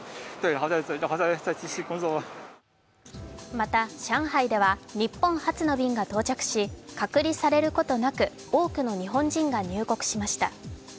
また、上海では日本発の便が到着し隔離されることなく、多くの日本人が入国しました。